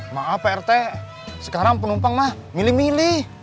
maaf pak rt sekarang penumpang mah milih milih